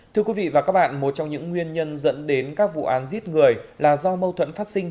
thưa quý vị và các bạn một trong những nguyên nhân dẫn đến các vụ án giết người là do mâu thuẫn phát sinh